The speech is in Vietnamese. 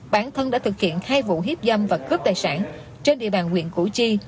bản thân đã thực hiện hai vụ hiếp dâm và cướp tài sản trên địa bàn huyện củ chi